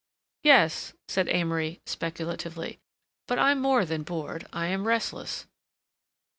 "Yes," said Amory speculatively, "but I'm more than bored; I am restless."